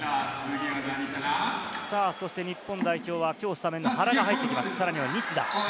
日本代表はきょうスタメンに原が入っています、さらに西田。